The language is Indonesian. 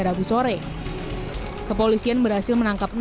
rabu sore kepolisian berhasil menangkap